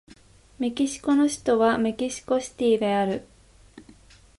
メキシコの首都はメキシコシティである